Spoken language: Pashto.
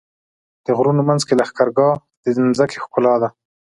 د غرونو منځ کې لښکرګاه د ځمکې ښکلا ده.